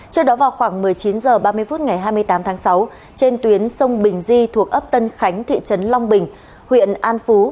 trước đó vào khoảng một mươi chín h ba mươi phút ngày hai mươi tám tháng sáu trên tuyến sông bình di thuộc ấp tân khánh thị trấn long bình huyện an phú